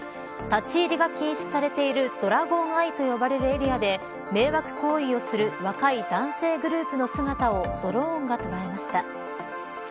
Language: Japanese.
立ち入りが禁止されているドラゴンアイと呼ばれるエリアで迷惑行為をする若い男性グループの姿をドローンが捉えました。